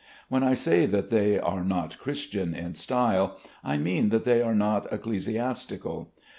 When I say that they are not Christian in style, I mean that they are not ecclesiastical.